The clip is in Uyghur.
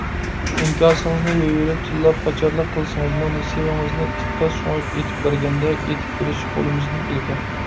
ئىنكاسىڭىزنى يۇيۇۋېلىپ تىللاپ قاچارلىق قىلسىڭىزمۇ نېسىۋېڭىزنى ئىتقا سۆڭەك ئېتىپ بەرگەندەك ئېتىپ بېرىش قولىمىزدىن كېلىدۇ.